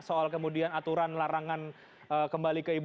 soal kemudian aturan larangan kembali ke ibu kota ini